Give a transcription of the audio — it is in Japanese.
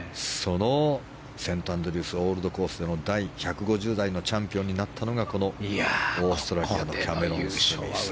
セントアンドリュース・オールドコースでの第１５０代のチャンピオンになったのがこのオーストラリアのキャメロン・スミス。